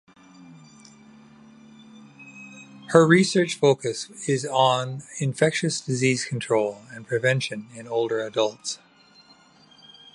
Her research focus is on infectious disease control and prevention in older adults.